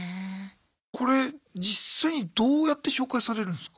これ実際にどうやって紹介されるんすか？